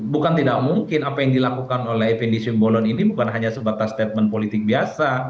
bukan tidak mungkin apa yang dilakukan oleh fnd simbolon ini bukan hanya sebatas statement politik biasa